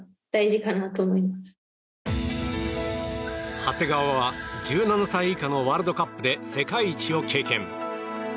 長谷川は１７歳以下のワールドカップで世界一を経験。